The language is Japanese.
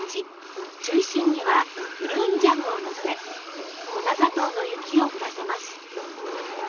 中心にはプルーンジャムをのせ粉砂糖の雪を降らせます。